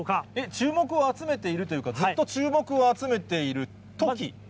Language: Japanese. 注目を集めているというか、ずっと注目を集めている、トキ。